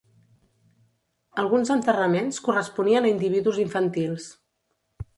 Alguns enterraments corresponien a individus infantils.